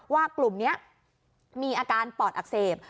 ว่ากลุ่มนี้มีอาการปอดอักเสบ